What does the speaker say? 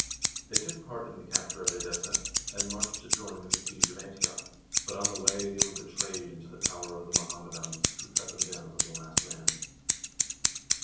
They took part in the capture of Edessa, and marched to join in the siege of Antioch, but on the way they were betrayed into the power of the Mohammedans, who cut them down to the last man.